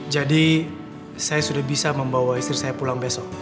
jadi saya sudah bisa membawa istri saya pulang besok